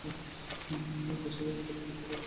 দেশ স্বাধীনের পর যুক্তরাজ্য অবস্থান করেন।